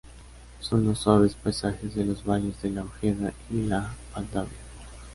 Son los suaves paisajes de los Valles de la Ojeda y la Valdavia.